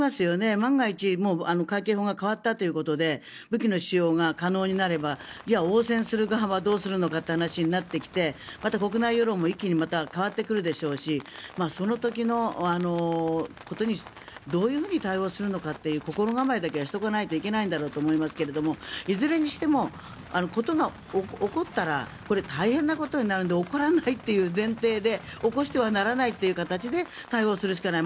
万が一海警法が変わったということで武器の使用が可能になれば応戦する側はどうするのかという話になってきてまた国内世論も一気に変わってくるでしょうしその時のことにどういうふうに対応するのか心構えだけはしておかないといけないんだと思いますがいずれにしても事が起こったら大変なことになるので起こらないという前提で起こしてはならないという形で対応するしかない。